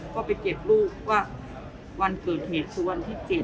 ก็ไปเก็บลูกว่าวันเกิดเหตุคือวันที่๗